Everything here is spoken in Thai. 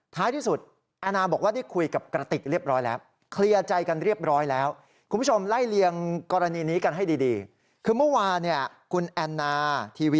ท้ายที่สุดแอนนาบอกว่าได้คุยกับกระติกเรียบร้อยแล้ว